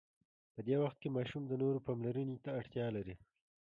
په دې وخت کې ماشوم د نورو پاملرنې ته اړتیا لري.